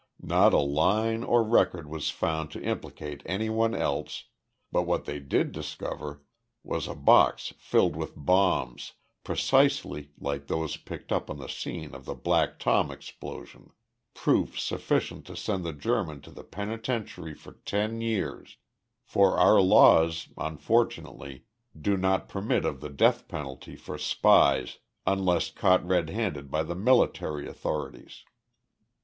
Not a line or record was found to implicate anyone else but what they did discover was a box filled with bombs precisely like those picked up on the scene of the Black Tom explosion, proof sufficient to send the German to the penitentiary for ten years for our laws, unfortunately, do not permit of the death penalty for spies unless caught red handed by the military authorities.